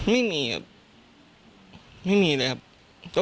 ไม่มีครับไม่มีเลยครับ